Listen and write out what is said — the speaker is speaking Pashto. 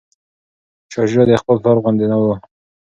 شاه شجاع د خپل پلار غوندې نه و.